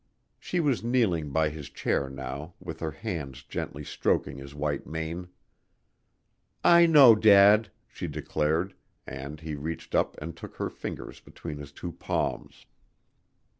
She was kneeling by his chair now with her hands gently stroking his white mane. "I know, Dad," she declared, and he reached up and took her fingers between his two palms.